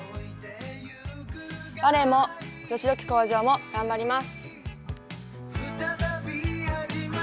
バレーも女子力向上も頑張ります。